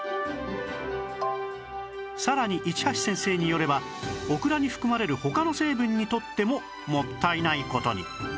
さらに市橋先生によればオクラに含まれる他の成分にとってももったいない事に